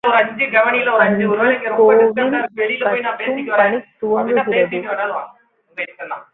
அன்றே கோயில் கட்டும் பணி துவங்குகிறது.